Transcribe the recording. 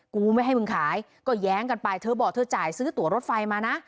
กูไม่ให้มึงขายก็แย้งกันไปเธอบอกเธอจ่ายซื้อตัวรถไฟมานะ